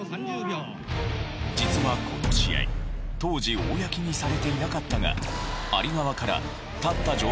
実はこの試合当時公にされていなかったが。